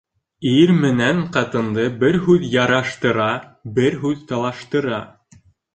Ир менән ҡатынды бер һүҙ яраштыра, бер һүҙ талаштыра.